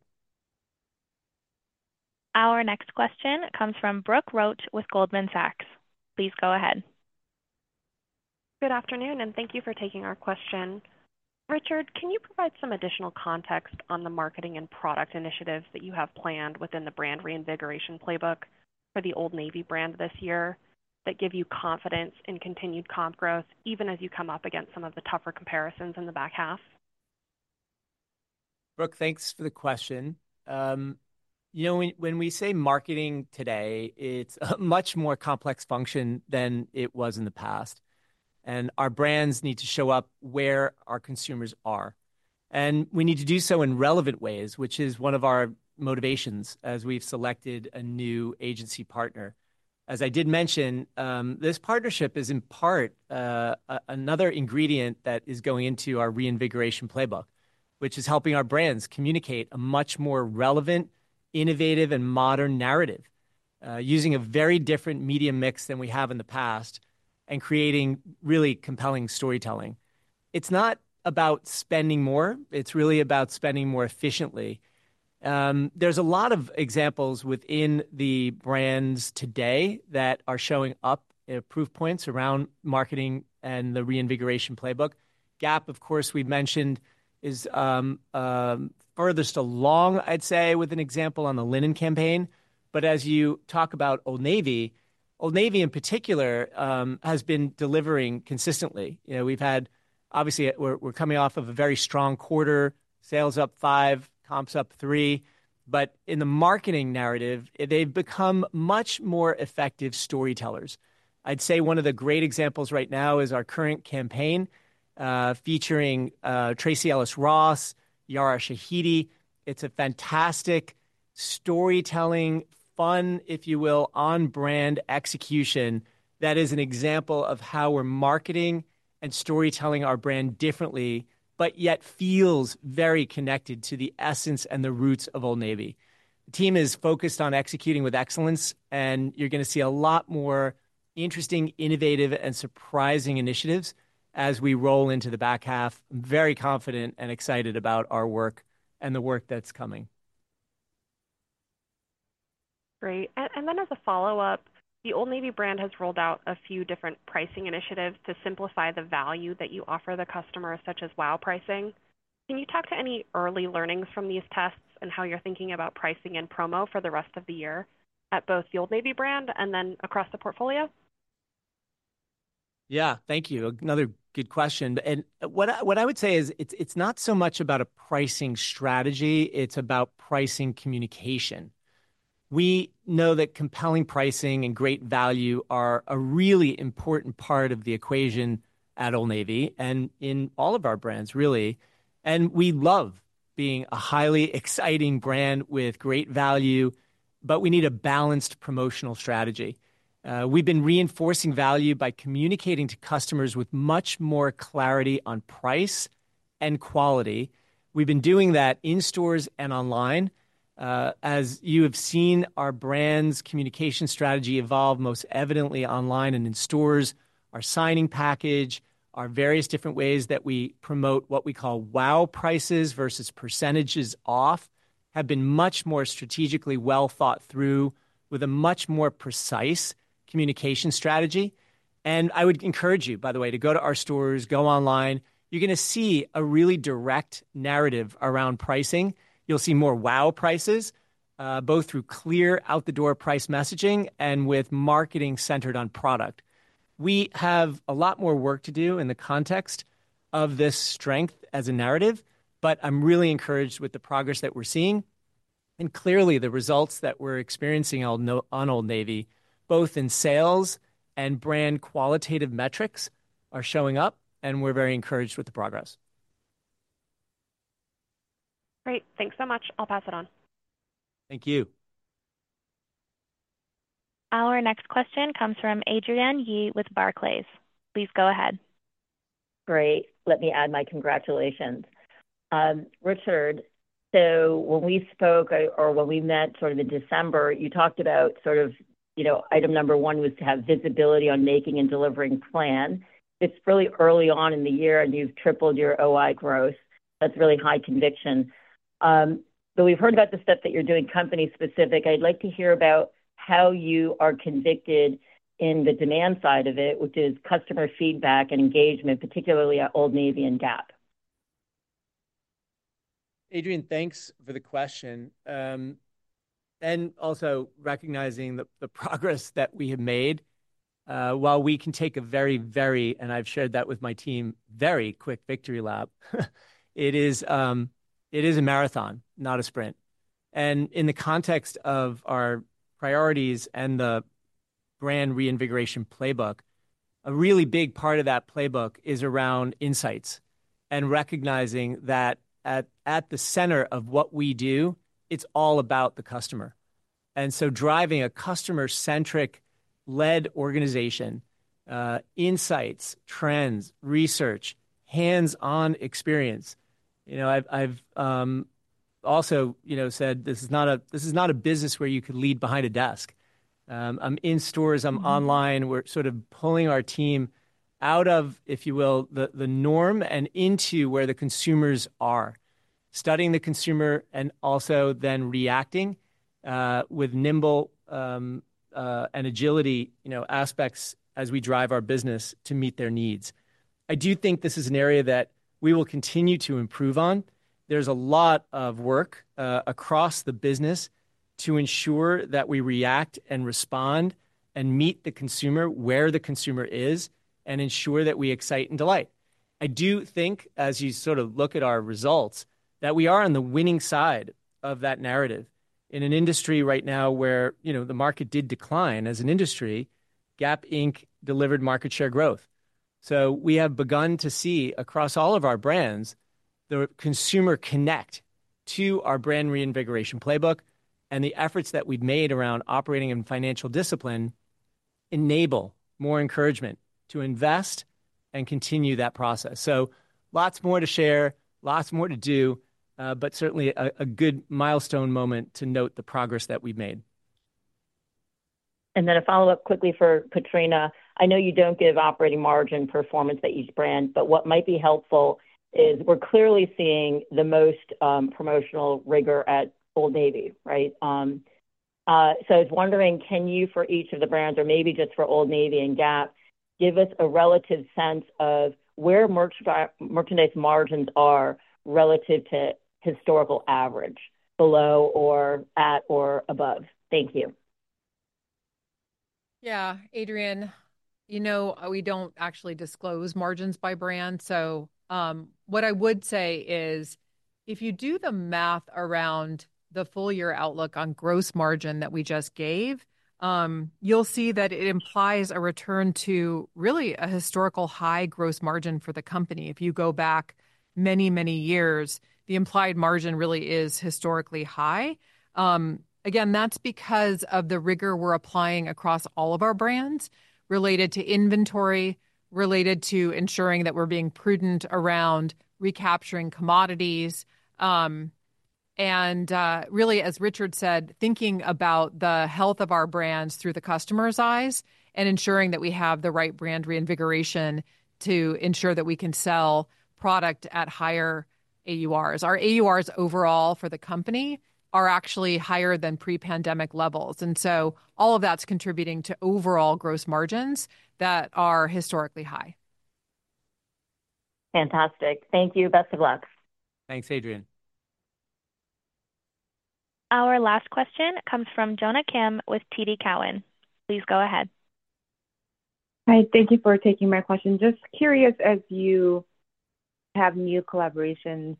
Our next question comes from Brooke Roach with Goldman Sachs. Please go ahead. Good afternoon, and thank you for taking our question. Richard, can you provide some additional context on the marketing and product initiatives that you have planned within the brand reinvigoration playbook for the Old Navy brand this year, that give you confidence in continued comp growth, even as you come up against some of the tougher comparisons in the back half? ... Brooke, thanks for the question. You know, when we say marketing today, it's a much more complex function than it was in the past, and our brands need to show up where our consumers are. And we need to do so in relevant ways, which is one of our motivations as we've selected a new agency partner. As I did mention, this partnership is, in part, another ingredient that is going into our reinvigoration playbook, which is helping our brands communicate a much more relevant, innovative, and modern narrative, using a very different media mix than we have in the past, and creating really compelling storytelling. It's not about spending more; it's really about spending more efficiently. There's a lot of examples within the brands today that are showing up at proof points around marketing and the reinvigoration playbook. Gap, of course, we've mentioned, is furthest along, I'd say, with an example on the linen campaign. But as you talk about Old Navy, Old Navy, in particular, has been delivering consistently. You know, we've had—obviously, we're coming off of a very strong quarter: sales up 5, comps up 3. But in the marketing narrative, they've become much more effective storytellers. I'd say one of the great examples right now is our current campaign, featuring Tracee Ellis Ross, Yara Shahidi. It's a fantastic storytelling, fun, if you will, on-brand execution that is an example of how we're marketing and storytelling our brand differently, but yet feels very connected to the essence and the roots of Old Navy. The team is focused on executing with excellence, and you're gonna see a lot more interesting, innovative, and surprising initiatives as we roll into the back half. I'm very confident and excited about our work and the work that's coming. Great. And then as a follow-up, the Old Navy brand has rolled out a few different pricing initiatives to simplify the value that you offer the customer, such as wow pricing. Can you talk to any early learnings from these tests and how you're thinking about pricing and promo for the rest of the year at both the Old Navy brand and then across the portfolio? Yeah. Thank you. Another good question, and what I would say is it's not so much about a pricing strategy. It's about pricing communication. We know that compelling pricing and great value are a really important part of the equation at Old Navy and in all of our brands, really. And we love being a highly exciting brand with great value, but we need a balanced promotional strategy. We've been reinforcing value by communicating to customers with much more clarity on price and quality. We've been doing that in stores and online. As you have seen, our brand's communication strategy evolve most evidently online and in stores. Our signing package, our various different ways that we promote what we call wow prices versus percentages off, have been much more strategically well thought through with a much more precise communication strategy. I would encourage you, by the way, to go to our stores, go online. You're gonna see a really direct narrative around pricing. You'll see more wow prices, both through clear out-the-door price messaging and with marketing centered on product. We have a lot more work to do in the context of this strength as a narrative, but I'm really encouraged with the progress that we're seeing. Clearly, the results that we're experiencing all on Old Navy, both in sales and brand qualitative metrics, are showing up, and we're very encouraged with the progress. Great. Thanks so much. I'll pass it on. Thank you. Our next question comes from Adrienne Yih with Barclays. Please go ahead. Great. Let me add my congratulations. Richard, so when we spoke, or when we met sort of in December, you talked about sort of, you know, item number one was to have visibility on making and delivering plan. It's really early on in the year, and you've tripled your OI growth. That's really high conviction. So we've heard about the steps that you're doing, company specific. I'd like to hear about how you are convicted in the demand side of it, which is customer feedback and engagement, particularly at Old Navy and Gap. Adrienne, thanks for the question. And also recognizing the progress that we have made. While we can take a very, very, and I've shared that with my team, very quick victory lap, it is a marathon, not a sprint. And in the context of our priorities and the brand reinvigoration playbook, a really big part of that playbook is around insights and recognizing that at the center of what we do, it's all about the customer. And so driving a customer-centric led organization, insights, trends, research, hands-on experience. You know, I've also, you know, said, this is not a business where you could lead behind a desk. I'm in stores, I'm online. We're sort of pulling our team out of, if you will, the norm and into where the consumers are. Studying the consumer and also then reacting with nimble and agility, you know, aspects as we drive our business to meet their needs. I do think this is an area that we will continue to improve on. There's a lot of work across the business to ensure that we react and respond and meet the consumer where the consumer is, and ensure that we excite and delight. I do think, as you sort of look at our results, that we are on the winning side of that narrative. In an industry right now where, you know, the market did decline as an industry, Gap Inc. delivered market share growth. We have begun to see, across all of our brands, the consumer connect to our brand reinvigoration playbook, and the efforts that we've made around operating and financial discipline enable more encouragement to invest and continue that process. Lots more to share, lots more to do, but certainly a good milestone moment to note the progress that we've made. Then a follow-up quickly for Katrina. I know you don't give operating margin performance at each brand, but what might be helpful is we're clearly seeing the most, promotional rigor at Old Navy, right? So I was wondering, can you, for each of the brands, or maybe just for Old Navy and Gap, give us a relative sense of where merchandise margins are relative to historical average, below or at or above? Thank you. Yeah, Adrienne, you know, we don't actually disclose margins by brand. So, what I would say is, if you do the math around the full year outlook on gross margin that we just gave, you'll see that it implies a return to really a historical high gross margin for the company. If you go back many, many years, the implied margin really is historically high. Again, that's because of the rigor we're applying across all of our brands related to inventory, related to ensuring that we're being prudent around recapturing commodities. Really, as Richard said, thinking about the health of our brands through the customer's eyes and ensuring that we have the right brand reinvigoration to ensure that we can sell product at higher AURs. Our AURs overall for the company are actually higher than pre-pandemic levels, and so all of that's contributing to overall gross margins that are historically high. Fantastic. Thank you. Best of luck. Thanks, Adrienne. Our last question comes from Jonna Kim with TD Cowen. Please go ahead. Hi, thank you for taking my question. Just curious, as you have new collaborations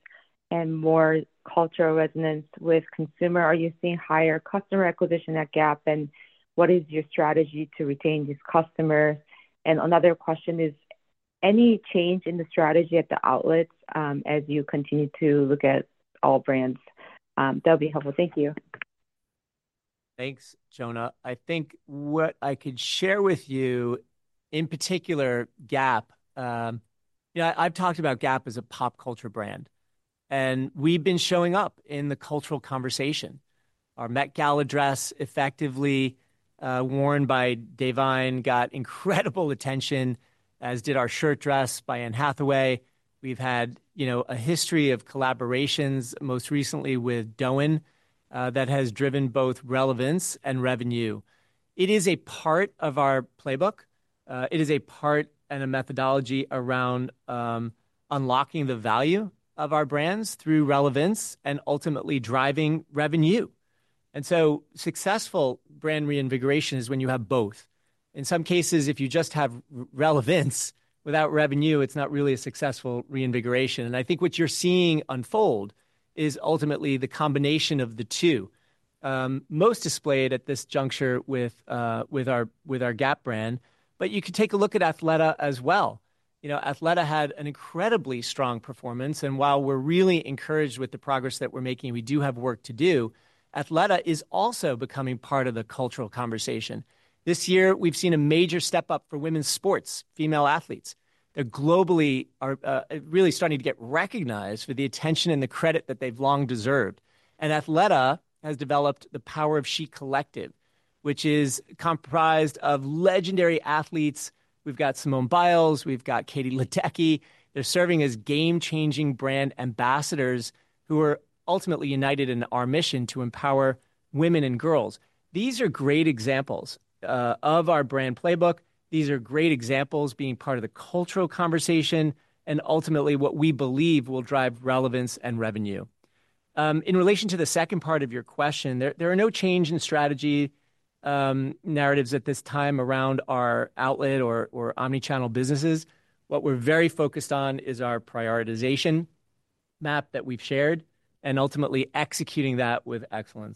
and more cultural resonance with consumer, are you seeing higher customer acquisition at Gap? And what is your strategy to retain these customers? And another question is: Any change in the strategy at the outlets, as you continue to look at all brands? That'd be helpful. Thank you. Thanks, Jonah. I think what I could share with you, in particular, Gap. You know, I've talked about Gap as a pop culture brand, and we've been showing up in the cultural conversation. Our Met Gala dress, effectively, worn by Da'Vine, got incredible attention, as did our shirt dress by Anne Hathaway. We've had, you know, a history of collaborations, most recently with DÔEN, that has driven both relevance and revenue. It is a part of our playbook. It is a part and a methodology around unlocking the value of our brands through relevance and ultimately driving revenue. And so successful brand reinvigoration is when you have both. In some cases, if you just have relevance without revenue, it's not really a successful reinvigoration. I think what you're seeing unfold is ultimately the combination of the two, most displayed at this juncture with our Gap brand. But you could take a look at Athleta as well. You know, Athleta had an incredibly strong performance, and while we're really encouraged with the progress that we're making, we do have work to do. Athleta is also becoming part of the cultural conversation. This year, we've seen a major step up for women's sports, female athletes. They're globally really starting to get recognized for the attention and the credit that they've long deserved. And Athleta has developed the Power of She Collective, which is comprised of legendary athletes. We've got Simone Biles, we've got Katie Ledecky. They're serving as game-changing brand ambassadors who are ultimately united in our mission to empower women and girls. These are great examples of our brand playbook. These are great examples being part of the cultural conversation and ultimately what we believe will drive relevance and revenue. In relation to the second part of your question, there are no change in strategy narratives at this time around our outlet or Omni-channel businesses. What we're very focused on is our prioritization map that we've shared and ultimately executing that with excellence.